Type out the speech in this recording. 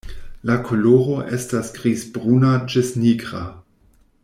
La koloro estas grizbruna ĝis nigra.